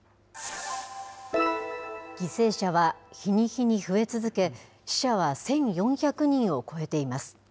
犠牲者は日に日に増え続け、死者は１４００人を超えています。